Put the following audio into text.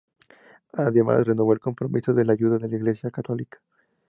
Además, renovó el compromiso de ayuda de la Iglesia católica.